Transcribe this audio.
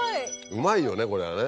うまいよねこれはね